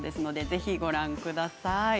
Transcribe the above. ぜひご覧ください。